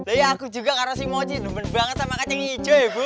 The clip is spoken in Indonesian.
iya aku juga karena si moji demen banget sama kacang hijau ya bu